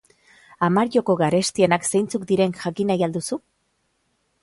Hamar joko garestienak zeintzuk diren jakin nahi al duzu?